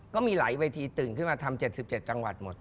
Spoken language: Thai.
ก็มีหลายเวทีตื่นขึ้นมาทำ๗๗จังหวัดหมด